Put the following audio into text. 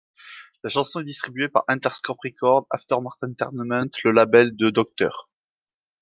La chanson est distribuée par Interscope Records, Aftermath Entertainment, le label de Dr.